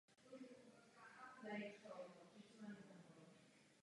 Podle něj obojí úzce souvisí až se společenskými změnami osmnáctého a devatenáctého století.